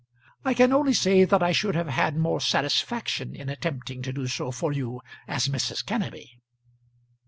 I can only say that I should have had more satisfaction in attempting to do so for you as Mrs. Kenneby."